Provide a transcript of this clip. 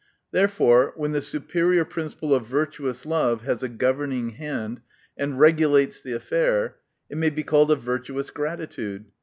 Therefore, when the superior principle of virtuous love has a gov erning hand, and regulates the affair, it may be called a virtuous gratitude.